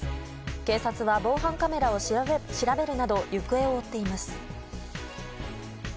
警察は防犯カメラを調べるなど行方を追っています。